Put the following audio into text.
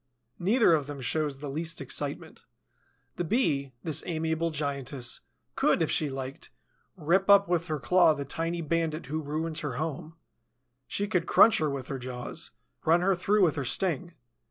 Neither of them shows the least excitement. The Bee, this amiable giantess, could, if she liked, rip up with her claw the tiny bandit who ruins her home; she could crunch her with her jaws, run her through with her sting.